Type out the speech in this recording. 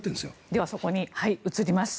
では、そこに移ります。